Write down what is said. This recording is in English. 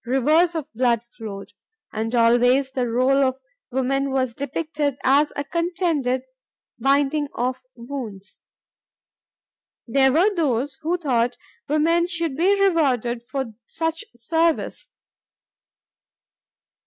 Rivers of blood flowed. And always the role of woman was depicted as a contented binding of wounds. There were those who thought woman should be rewarded for such service.